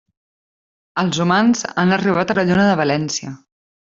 Els humans han arribat a la Lluna de València.